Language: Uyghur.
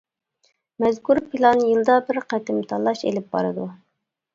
مەزكۇر پىلان يىلدا بىر قېتىم تاللاش ئېلىپ بارىدۇ.